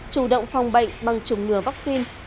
chủ động phòng bệnh bằng trùng ngừa vaccine